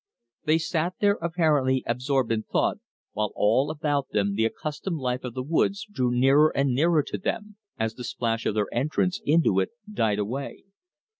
They sat there apparently absorbed in thought, while all about them the accustomed life of the woods drew nearer and nearer to them, as the splash of their entrance into it died away.